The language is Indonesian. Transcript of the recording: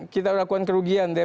kita lakukan kerugian nah yang